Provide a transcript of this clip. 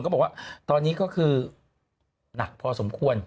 บอกว่าตอนนี้ก็คือหนักพอสมควร